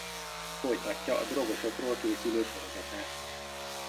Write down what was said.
Folytatja a drogosokról készülő sorozatát.